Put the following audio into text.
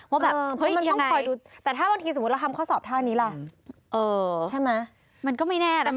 ว่าแบบเฮ้ยมันต้องคอยดูแต่ถ้าบางทีสมมุติเราทำข้อสอบท่านี้ล่ะใช่ไหมมันก็ไม่แน่นะคะ